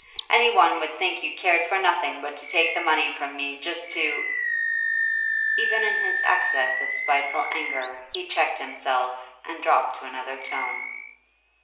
Any one would think you cared for nothing but to take the money from me, just to ' Even in his access of spiteful anger he checked himself, and dropped to another tone.